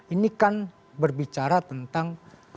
ini kan berbicara tentang yang terbuka itu